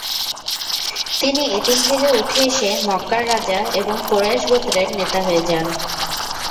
তিনি এতিম থেকে উঠে এসে মক্কার রাজা এবং কুরাইশ গোত্রের নেতা হয়ে যান।